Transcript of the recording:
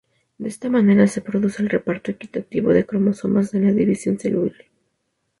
De esta manera se produce el reparto equitativo de cromosomas en la división celular.